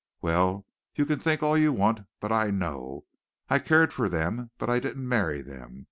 Well you can think all you want; but I know. I cared for them, but I didn't marry them.